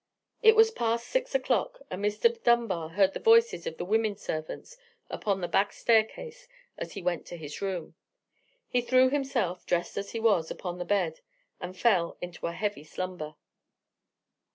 It was past six o'clock, and Mr. Dunbar heard the voices of the women servants upon the back staircase as he went to his room. He threw himself, dressed as he was, upon the bed, and fell into a heavy slumber.